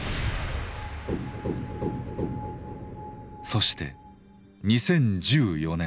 そして２０１４年。